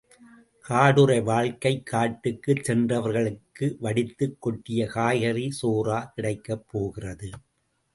காடுறை வாழ்க்கை காட்டுக்குச் சென்றவர்களுக்கு வடித்துக் கொட்டிய காய்கறிச் சோறா கிடைக்கப் போகிறது?